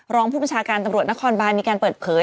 รองผู้บัญชาการตำรวจนครบานมีการเปิดเผย